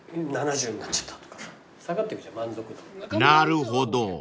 ［なるほど］